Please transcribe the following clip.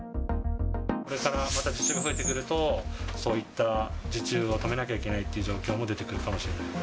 これからまた受注が増えてくると、そういった受注を止めなきゃいけないという状況も出てくるかもしれない。